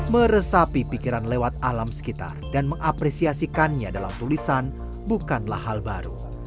meresapi pikiran lewat alam sekitar dan mengapresiasikannya dalam tulisan bukanlah hal baru